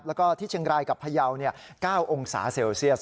แล้วก็ที่เชียงรายกับพยาว๙องศาเซลเซียส